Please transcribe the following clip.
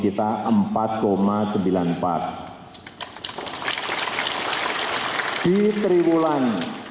kita namakan diri indonesia